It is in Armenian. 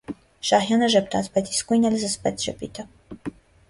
Շահյանը ժպտաց, բայց իսկույն էլ զսպեց ժպիտը: